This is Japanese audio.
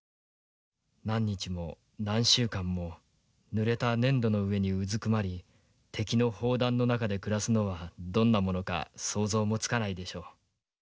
何日も何週間もぬれた粘土の上にうずくまり敵の砲弾の中で暮らすのはどんなものか想像もつかないでしょう。